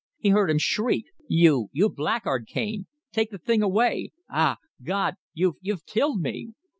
He heard him shriek: 'You you blackguard, Cane take the thing away! Ah! God! You've you've killed me!'